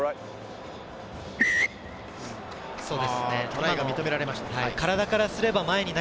トライが認められました。